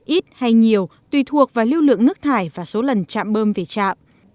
ít hay nhiều tùy thuộc vào lưu lượng nước thải và số lần trạm bơm về trạm